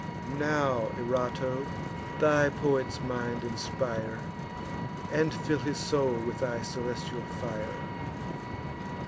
Now, Erato, thy poet's mind inspire, And fill his soul with thy celestial fire!